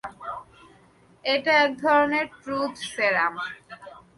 এটা একধরণের ট্রুথ সেরাম।